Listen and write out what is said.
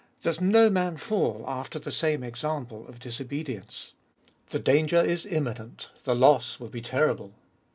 That no man fall after the same example of disobedience. The danger is imminent — the loss will be ter rible.